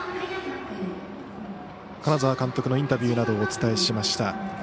金沢監督のインタビューなどをお伝えしました。